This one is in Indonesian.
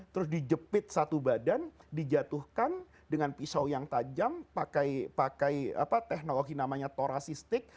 terus dijepit satu badan dijatuhkan dengan pisau yang tajam pakai teknologi namanya torasistik